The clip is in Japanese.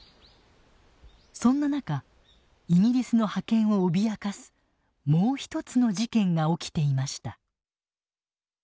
そんな中イギリスの覇権を脅かすもう一つの事件が起きていました。